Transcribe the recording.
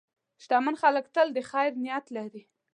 شتمن خلک تل د خیر نیت لري.